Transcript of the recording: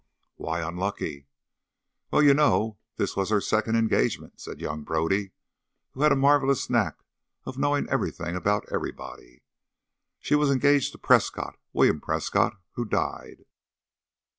"Why unlucky?" "Well, you know, this was her second engagement," said young Brodie, who had a marvellous knack of knowing everything about everybody. "She was engaged to Prescott William Prescott, who died.